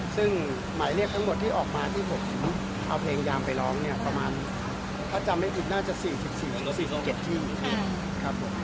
ซึ่งหมายเรียกทั้งหมดที่ออกมาที่ผมเอาเพลงยามไปร้องเนี่ยประมาณถ้าจำไม่ผิดน่าจะ๔๐เสียงหรือ๔๗ที่ครับผม